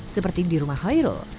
seperti di rumah hoiro